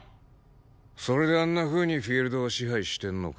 それであんなふうにフィールドを支配してんのか。